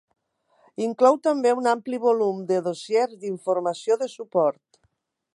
Inclou també un ampli volum de dossiers d'informació de suport.